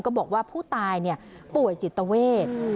บอกว่าผู้ตายป่วยจิตเวท